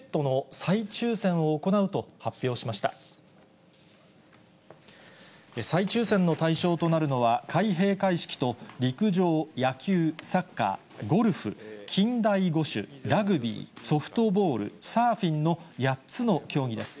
再抽せんの対象となるのは、開閉会式と陸上、野球、サッカー、ゴルフ、近代五種、ラグビー、ソフトボール、サーフィンの８つの競技です。